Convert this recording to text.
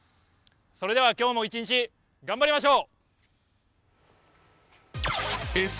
それでは今日も一日、頑張りましょう。